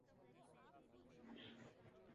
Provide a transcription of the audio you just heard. اسالیب کلام کس طرح جوہرکلام تک راہنمائی کرتے ہیں؟